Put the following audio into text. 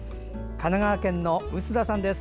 神奈川県の臼田さんです。